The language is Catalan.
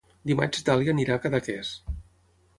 Dimarts na Dàlia irà a Cadaqués.